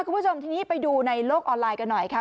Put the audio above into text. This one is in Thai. คุณผู้ชมทีนี้ไปดูในโลกออนไลน์กันหน่อยค่ะ